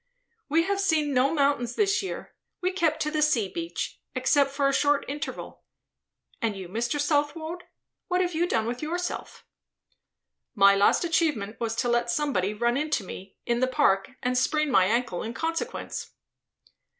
"We have seen no mountains this year; we kept to the sea beach. Except for a short interval. And you, Mr. Southwode? What have you done with yourself?" "My last achievement was to let somebody run into me, in the Park, and sprain my ankle in consequence."